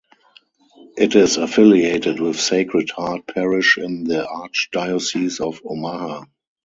It is affiliated with Sacred Heart Parish in the Archdiocese of Omaha.